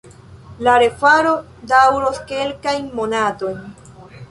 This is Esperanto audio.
La refaro daŭros kelkajn monatojn.